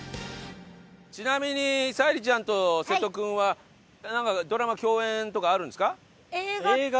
ちなみに沙莉ちゃんと瀬戸君はなんかドラマ共演とかあるんですか？